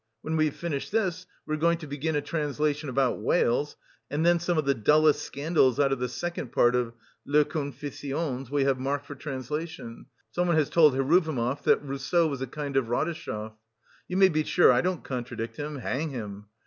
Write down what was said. When we have finished this, we are going to begin a translation about whales, and then some of the dullest scandals out of the second part of Les Confessions we have marked for translation; somebody has told Heruvimov, that Rousseau was a kind of Radishchev. You may be sure I don't contradict him, hang him!